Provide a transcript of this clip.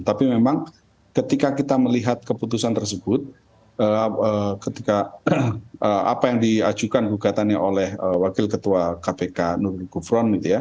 tapi memang ketika kita melihat keputusan tersebut ketika apa yang diajukan gugatannya oleh wakil ketua kpk nur gufron